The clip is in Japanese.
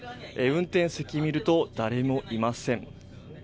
運転席を見ると誰もいません。